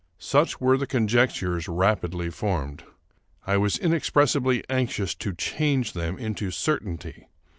Such were the conjectures rapidly formed. I was inexpressibly anxious to change them into certainty.